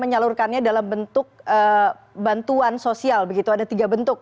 dan menyalurkannya dalam bentuk bantuan sosial begitu ada tiga bentuk